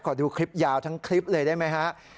ขอดูคลิปยาวทั้งคลิปเลยได้ไหมฮะ